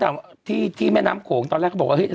ตอนนี้ก็ที่แม่น้ำโขงตอนแรกเขาบอกว่า